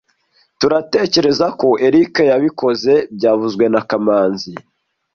turatekerezako Eric yabikoze byavuzwe na kamanzi